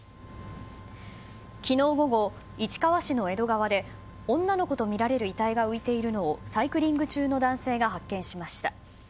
昨日午後、市川市の江戸川で女の子とみられる遺体が浮いているのをサイクリング中の男性が発見しました。